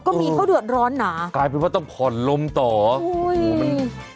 ก็มีเขาเดือดร้อนหนากลายเป็นว่าต้องผ่อนลมต่อโอ้ยมัน